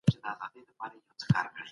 موږ هم باید خپلې ژبي ته ارزښت ورکړو.